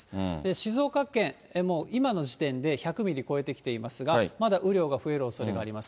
静岡県も、今の時点で１００ミリを超えてきていますが、まだ雨量が増えるおそれがあります。